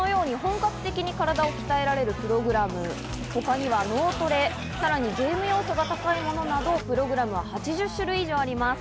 本格的に体を鍛えられるプログラムのほかに脳トレ、さらにゲーム要素が高いものなどプログラムは８０種類以上あります。